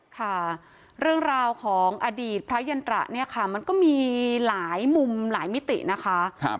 ค่ะเรื่องราวของอดีตพระยันตระเนี่ยค่ะมันก็มีหลายมุมหลายมิตินะคะ